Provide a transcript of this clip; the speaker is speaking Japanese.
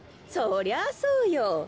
そりゃあそうよ。